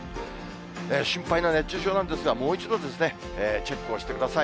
心配な熱中症なんですが、もう一度、チェックをしてください。